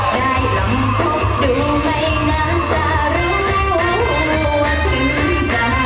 ได้ลองพบดูไม่นานจะรู้ว่าถึงใจ